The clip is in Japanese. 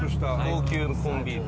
高級コンビーフ。